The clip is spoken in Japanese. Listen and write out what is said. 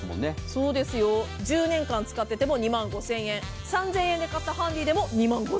そうですよ。１０年間使ってても２万５０００円３０００円で買ったハンディでも２万５０００円。